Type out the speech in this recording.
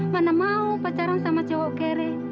mana mau pacaran sama cewek kere